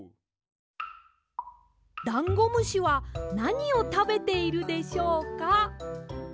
ダンゴムシはなにをたべているでしょうか？